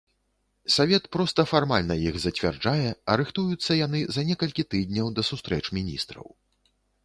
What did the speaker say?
Савет проста фармальна іх зацвярджае, а рыхтуюцца яны за некалькі тыдняў да сустрэч міністраў.